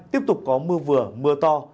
tiếp tục có mưa vừa mưa to